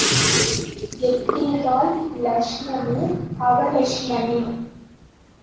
எட்டேகால் லக்ஷணமே அவலக்ஷணமே.